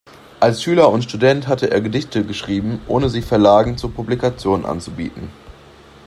Als Schüler und Student hatte er Gedichte geschrieben, ohne sie Verlagen zur Publikation anzubieten.